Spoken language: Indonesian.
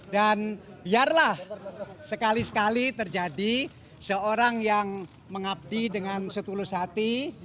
dan biarlah sekali sekali terjadi seorang yang mengabdi dengan setulus hati